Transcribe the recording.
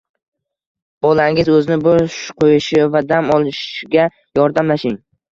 Bolangiz o‘zini bo‘sh qo‘yishi va dam olishiga yordamlashing.